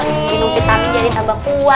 minum kita bisa jadi tambah kuat